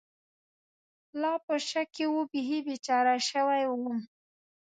لا په شک کې و، بېخي بېچاره شوی ووم.